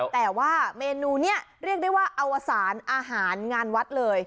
แต่ว่าเมนูนี้เรียกได้ว่าอวสารอาหารงานวัดเลย